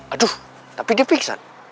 aduh tapi dia pingsan